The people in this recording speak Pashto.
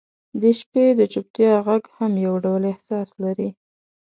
• د شپې د چوپتیا ږغ هم یو ډول احساس لري.